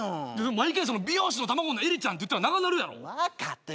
毎回その美容師の卵のえりちゃんって言ったら長なるやろ分かったよ